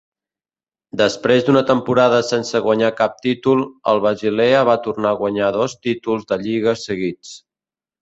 Després d'una temporada sense guanyar cap títol, el Basilea va tornar a guanyar dos títols de lliga seguits.